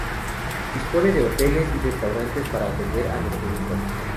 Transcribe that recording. Dispone de hoteles y restaurantes para atender a los turistas.